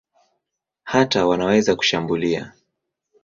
Hata wanaweza kushambulia.